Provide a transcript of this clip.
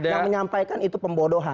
yang menyampaikan itu pembodohan